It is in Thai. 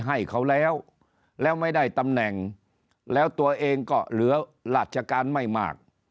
ให้เขาแล้วแล้วไม่ได้ตำแหน่งแล้วตัวเองก็เหลือราชการไม่มาก